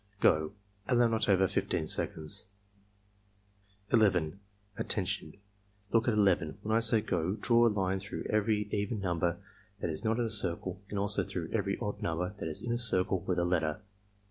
— Go!" (Allow not over 15 seconds.) 11. "Attention! Look at 11. When I say 'go' draw a line through every even number that is not in a circle and also through every odd number that is in a circle with a letter.